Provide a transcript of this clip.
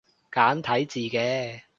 簡體字嘅